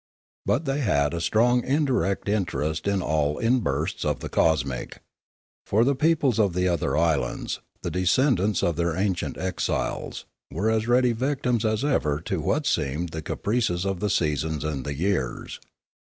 But they had a strong indirect interest in all inbursts of the cosmic. For the peoples of the other islands, the descendants of their ancient exiles, were as ready vic tims as ever to what seemed the caprices of the seasons and the years.